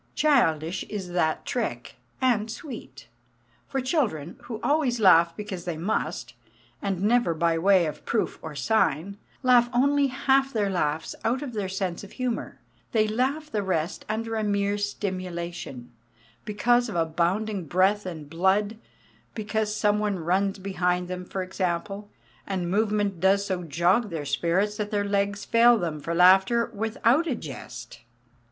Childish is that trick, and sweet. For children, who always laugh because they must, and never by way of proof or sign, laugh only half their laughs out of their sense of humour; they laugh the rest under a mere stimulation: because of abounding breath and blood; because some one runs behind them, for example, and movement does so jog their spirits that their legs fail them, for laughter, without a jest.